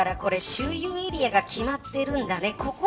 周遊エリアが決まってるんだね。